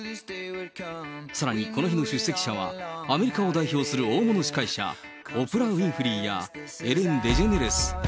さらに、この日の出席者はアメリカを代表する大物司会者、オプラ・ウィンフリーや、エレン・デジェネレス。